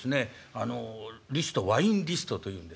あのリストワインリストというんですか？